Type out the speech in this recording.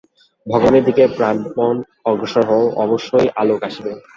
ভগবানের দিকে প্রাণপণ অগ্রসর হও, অবশ্যই আলোক আসিবে।